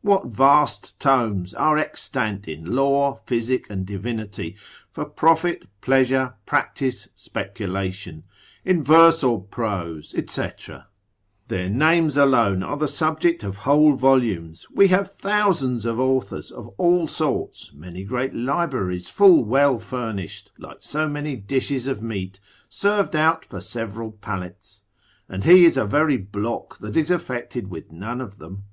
What vast tomes are extant in law, physic, and divinity, for profit, pleasure, practice, speculation, in verse or prose, &c.! their names alone are the subject of whole volumes, we have thousands of authors of all sorts, many great libraries full well furnished, like so many dishes of meat, served out for several palates; and he is a very block that is affected with none of them.